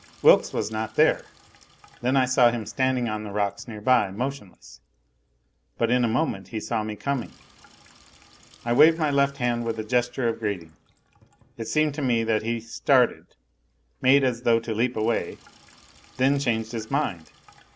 Wilks was not there. Then I saw him standing on the rocks nearby, motionless. But in a moment he saw me coming. I waved my left hand with a gesture of greeting. It seemed to me that he started, made as though to leap away, and then changed his mind.